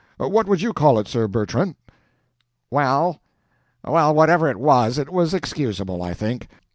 What would you call it, Sir Bertrand?" "Well, it—well, whatever it was, it was excusable, I think.